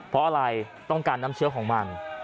เพราะอะไรต้องการน้ำเชื้อของมัน